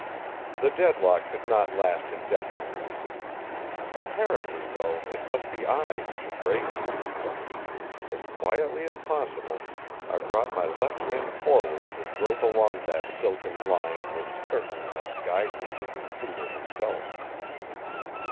The deadlock could not last indefinitely. Apparently, though, it must be I who should break it. As quietly as possible, I brought my left hand forward to grope along that silken line which certainly must guide me to the intruder herself.